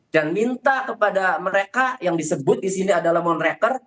dan minta kepada mereka yang disebut di sini adalah monreker